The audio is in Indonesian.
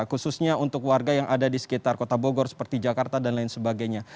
khususnya untuk warga yang ada di sekitar kota bogor seperti jakarta dan lain sebagainya